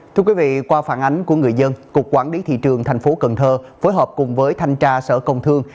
thưa quý vị qua phản ánh của người dân cục quản lý thị trường tp cn phối hợp cùng với thanh tra sở công thương